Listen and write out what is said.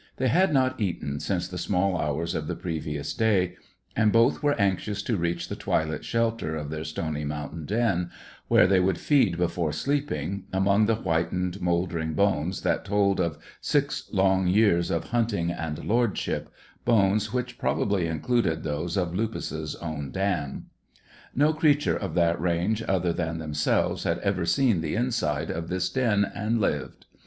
They had not eaten since the small hours of the previous day, and both were anxious to reach the twilit shelter of their stony mountain den, where they would feed before sleeping, among the whitened mouldering bones that told of six long years of hunting and lordship, bones which probably included those of Lupus's own dam. No creature of that range other than themselves had ever seen the inside of this den and lived.